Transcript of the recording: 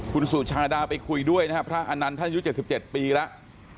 คุณสุชาดาไปคุยด้วยนะครับพระอนันต์ท่านอายุ๗๗ปีแล้ว